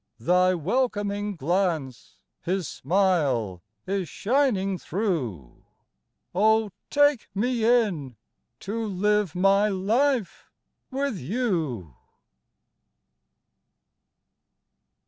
Thy welcoming glance His smile is shining through ; Oh, take me in, to live my life with you